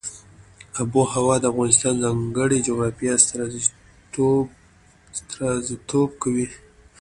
آب وهوا د افغانستان د ځانګړي جغرافیه استازیتوب کوي.